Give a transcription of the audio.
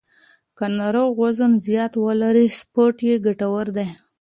که ناروغ وزن زیات ولري، سپورت یې ګټور دی.